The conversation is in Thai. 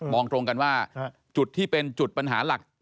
ตรงกันว่าจุดที่เป็นจุดปัญหาหลัก